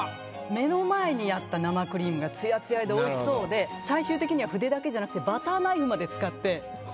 目の前にあった生クリームがつやつやでおいしそうで最終的には筆だけじゃなくて。